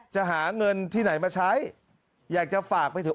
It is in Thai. จะหาเงินที่ไหนมาใช้อยากจะฝากไปถึง